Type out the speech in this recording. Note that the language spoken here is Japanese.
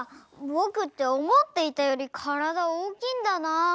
ぼくっておもっていたより体大きいんだな。